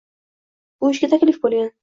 Bu ishga taklif bo‘lgan.